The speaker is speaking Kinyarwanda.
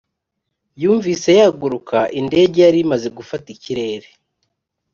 yumvise yaguruka indege yarimaze gufata ikirere.